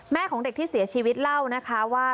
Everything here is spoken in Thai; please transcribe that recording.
ของเด็กที่เสียชีวิตเล่านะคะว่า